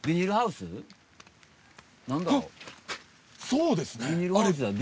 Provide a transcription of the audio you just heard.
そうですね。